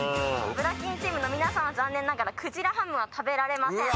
ぶら筋チームの皆さんは残念ながら鯨ハムは食べられません。